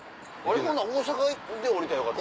ほな大阪で降りたらよかった。